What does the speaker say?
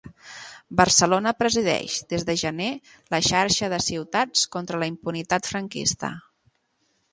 Barcelona presideix des de gener la Xarxa de Ciutats contra la Impunitat Franquista.